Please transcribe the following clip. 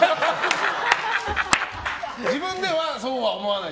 自分ではそうは思わない？